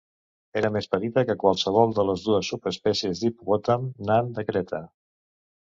Era més petita que qualsevol de les dues subespècies d'hipopòtam nan de Creta.